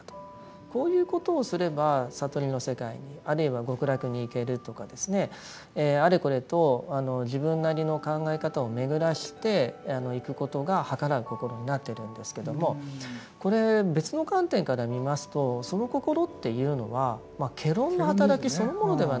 こういうことをすれば悟りの世界にあるいは極楽にいけるとかですねあれこれと自分なりの考え方を巡らしていくことがはからう心になっているんですけどもこれ別の観点から見ますとなるほど。